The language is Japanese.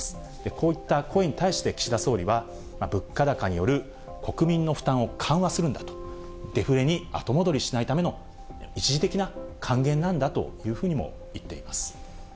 こういった声に対して、岸田総理は、物価高による国民の負担を緩和するんだと、デフレに後戻りしないための、一時的な還元なんだというふうにも言っています。